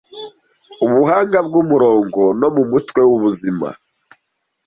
Ubuhanga bwumurongo, no mumutwe wubuzima